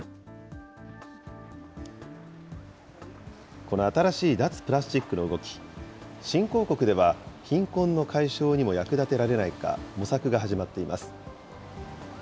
この新しい脱プラスチックの動き、新興国では、貧困の解消にも役立てられないか、模索が始まっています。